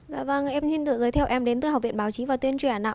dạ vâng em xin được giới thiệu em đến từ học viện báo chí và tuyên truyền ạ